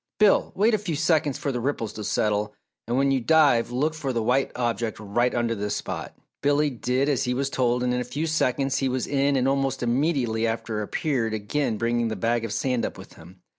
"Bill, wait a few seconds for the ripples to settle and when you dive look for the white object right under this spot." Billy did as he was told and in a few seconds he was in and almost immediately after appeared again bringing the bag of sand up with him.